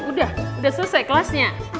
udah udah selesai kelasnya